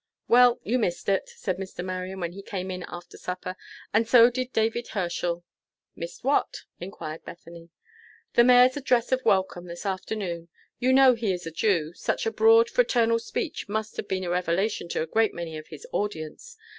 "Well, you missed it!" said Mr. Marion, when he came in after supper, "and so did David Herschel." "Missed what?" inquired Bethany. "The mayor's address of welcome, this afternoon. You know he is a Jew. Such a broad, fraternal speech must have been a revelation to a great many of his audience.